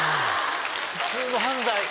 普通の犯罪。